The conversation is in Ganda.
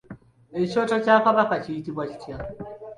Ekyoto kya Kabaka kiyitibwa kitya?